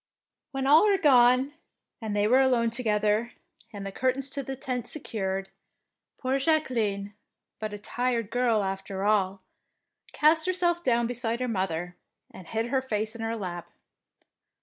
When all were gone and they were alone together and the curtains to the 79 DEEDS OF DAEING tent secured, poor Jacqueline, but a tired girl after all, cast herself down beside her mother, and hid her face in her lap.